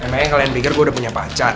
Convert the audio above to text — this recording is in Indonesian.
namanya kalian pikir gue udah punya pacar